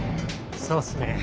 そうっすね。